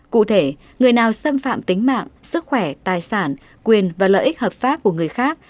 cụ thể người nào xâm phạm tính mạng sức khỏe tài sản quyền và lợi ích hợp pháp của người khác